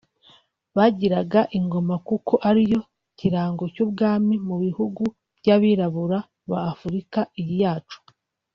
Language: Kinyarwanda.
Bagiraga Ingoma kuko ariyo kirango cy’ubwami mu bihugu by’Abirabura ba Afurika iyi yacu